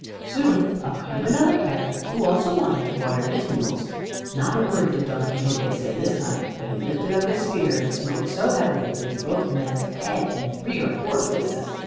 Soon up came another carrier who also wanted to water his mules. Not a word did Don Quixote say this time, but he lifted up his spear and smote so heavily that he broke the man's head in three or four places.